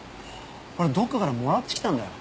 これどこかからもらってきたんだよ。